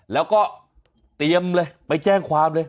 แล้วก็เตรียมเลยไปแจ้งความเลย